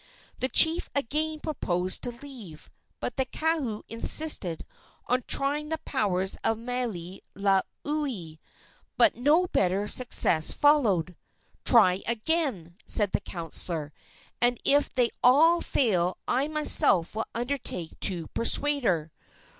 The chief again proposed to leave, but the kahu insisted on trying the powers of Maile laulii; but no better success followed. "Try again," said the counselor, "and if they all fail I myself will undertake to persuade her."